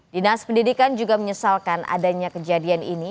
dinas pendidikan juga menyesalkan adanya kejadian ini